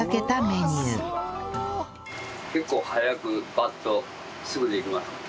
結構早くパッとすぐできます。